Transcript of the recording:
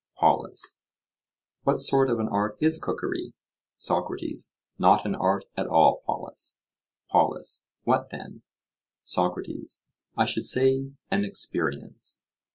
POLUS: What sort of an art is cookery? SOCRATES: Not an art at all, Polus. POLUS: What then? SOCRATES: I should say an experience.